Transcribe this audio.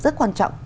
rất quan trọng